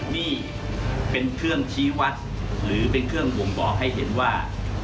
นี่เป็นเครื่องชี้วัดหรือเป็นเครื่องบ่งบอกให้เห็นว่า